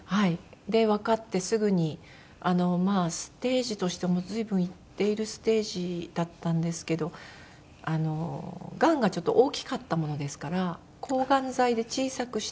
でわかってすぐにまあステージとしても随分いっているステージだったんですけどがんがちょっと大きかったものですから抗がん剤で小さくして。